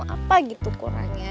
apa gitu kurangnya